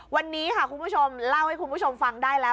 วันนี้ค่ะคุณผู้ชมเล่าให้คุณผู้ชมฟังได้แล้ว